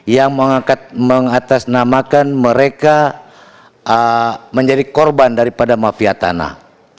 yang mengatasnamakan mereka menjadi korban daripada mafia tanah